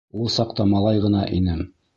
Ул саҡта малай ғына инем.